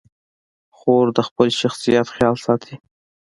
خور د خپل شخصیت خیال ساتي.